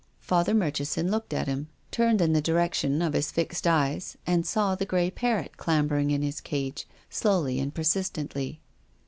Father Murchison looked at him, turned in the direction of his fixed eyes and saw the grey parrot clambering in its cage, slowly and per sistently.